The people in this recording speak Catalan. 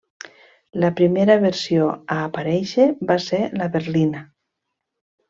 La primera versió a aparèixer va ser la berlina.